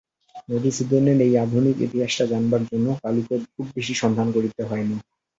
মধুসূদনের এই আধুনিক ইতিহাসটা জানবার জন্যে কালুকে খুব বেশি সন্ধান করতে হয় নি।